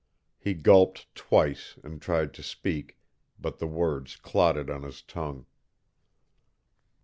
He gulped twice and tried to speak, but the words clotted on his tongue.